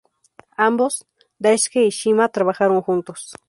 Ambos Daisuke y Shima trabajaron juntos.